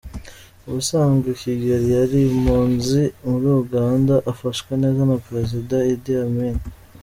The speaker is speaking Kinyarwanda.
Ubusanzwe Kigeli yari impunzi muri Uganda afashwe neza Perezida Iddi Amin.